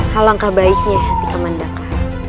halangkah baiknya hati kamandaka